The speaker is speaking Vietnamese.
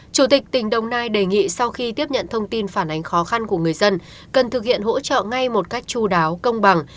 chủ tịch tỉnh đồng nai đề nghị sau khi tiếp nhận thông tin phản ánh khó khăn của người dân cần thực hiện hỗ trợ ngay một cách chú đáo công bằng